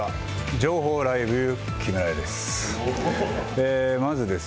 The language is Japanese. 情報ライブキムラ屋です。